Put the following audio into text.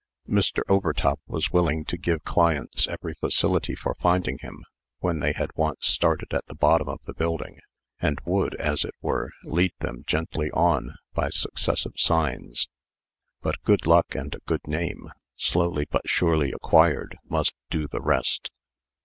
Mr. Overtop was willing to give clients every facility for finding him, when they had once started at the bottom of the building; and would, as it were, lead them gently on, by successive signs; but good luck and a good name, slowly but surely acquired, must do the rest.